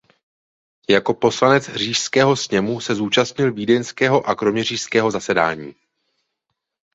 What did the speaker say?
Jako poslanec Říšského sněmu se zúčastnil vídeňského a kroměřížského zasedání.